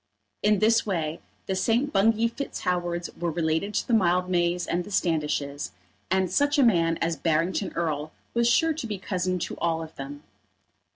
In this way the St. Bungay Fitz Howards were related to the Mildmays and Standishes, and such a man as Barrington Erle was sure to be cousin to all of them.